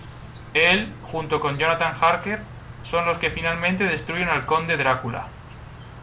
Él, junto con Jonathan Harker, son los que finalmente destruyen al Conde Dracula.